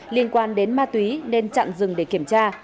liên quan đến ma túy nên chặn rừng để kiểm tra